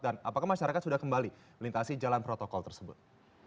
dan apakah masyarakat sudah kembali melintasi jalan protokol tersebut